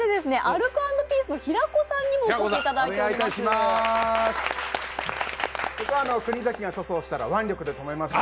アルコ＆ピースの平子さんにもお越しいただいています。